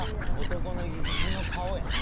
男の意地の顔やね。